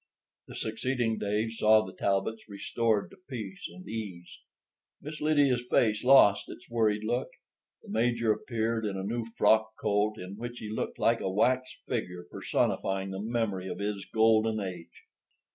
The succeeding days saw the Talbots restored to peace and ease. Miss Lydia's face lost its worried look. The major appeared in a new frock coat, in which he looked like a wax figure personifying the memory of his golden age.